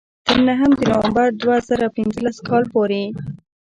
تر نهم د نومبر دوه زره پینځلس کال پورې.